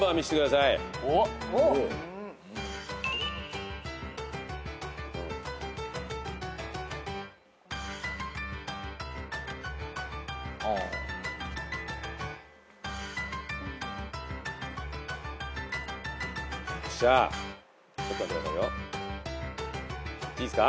いいっすか？